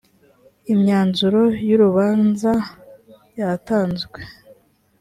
imyanzuro y urubanza yatanzwe